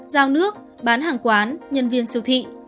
giao nước bán hàng quán nhân viên siêu thị